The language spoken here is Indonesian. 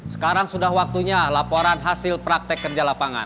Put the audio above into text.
sekarang sudah waktunya laporan hasil praktek kerja lapangan